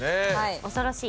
恐ろしい。